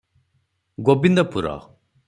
Gobindpur.